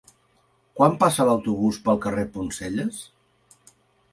Quan passa l'autobús pel carrer Poncelles?